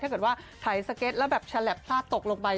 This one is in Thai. ถ้าเกิดว่าถ่ายสเก็ตแล้วแชลปผ้าตกลงไป